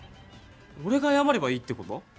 俺が謝ればいいってこと？